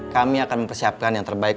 kami akan mempersiapkan yang terbaik